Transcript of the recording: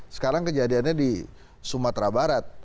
sekarang kejadiannya di sumatera barat